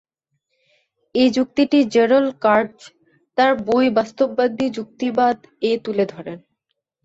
এই যুক্তিটি Jerrald Katz তার বই "বাস্তববাদী যুক্তিবাদ"-এ তুলে ধরেন।